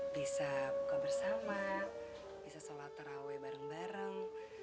bisa buka bersama bisa sholat terawih bareng bareng